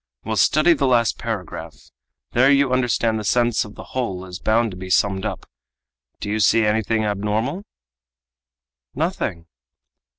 "Well! study the last paragraph! There you understand the sense of the whole is bound to be summed up. Do you see anything abnormal?" "Nothing."